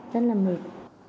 rất là mệt